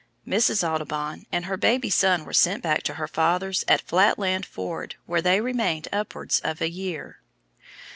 Mrs. Audubon and her baby son were sent back to her father's at Fatland Ford where they remained upwards of a year.